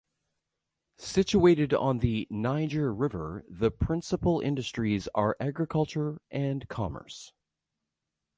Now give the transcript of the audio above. Situated on the Niger River, the principal industries are agriculture and commerce.